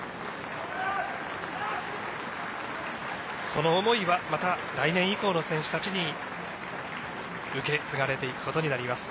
その思いはまた来年以降の選手たちに受け継がれていくことになります。